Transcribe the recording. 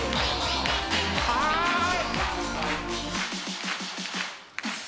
はい！